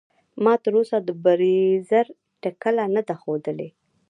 ما تر اوسه د بریځر ټکله نده خودلي.